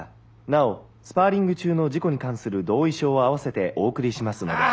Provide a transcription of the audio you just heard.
なおスパーリング中の事故に関する同意書を併せてお送りしますので」。